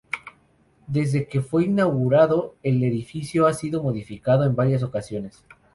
Desde que fue inaugurado, el edificio ha sido modificado en varias ocasiones.